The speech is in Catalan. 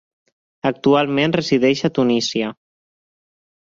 Actualment resideix a Tunísia.